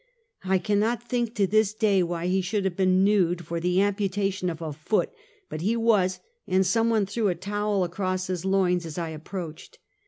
I cannot think to this day why he should have been nude for the amputation of a foot; but he was, and some one threw a towel across his loins as I approached.